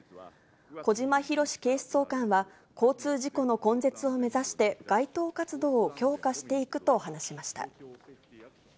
小島裕史警視総監は、交通事故の根絶を目指して、街頭活動を強化していくと話しました。